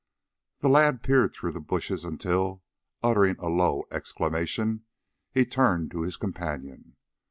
The lad peered through the bushes until, uttering a low exclamation, he turned to his companion.